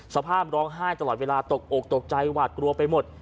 สภาพร้องไห้ตลอดเวลาตกอกตกใจหวาดกลัวไปหมด